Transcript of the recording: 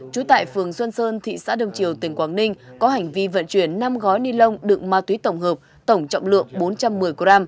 trú tại phường xuân sơn thị xã đông triều tỉnh quảng ninh có hành vi vận chuyển năm gói ni lông đựng ma túy tổng hợp tổng trọng lượng bốn trăm một mươi g